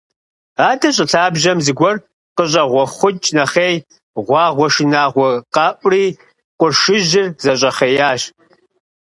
Адэ щӏы лъабжьэм зыгуэр къыщӏэгъуэхъукӏ нэхъей, гъуагъуэ шынагъуэ къэӏури, къуршыжьыр зэщӏэхъеящ.